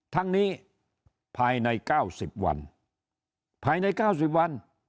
ทั้งนี้ภายใน๙๐วันภายใน๙๐วัน